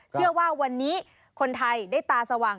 เชื่อว่าวันนี้คนไทยได้ตาสว่าง